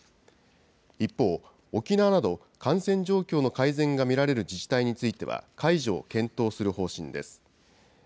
一方、沖縄など感染状況の改善が見られる自治体については解除を検討する方針です。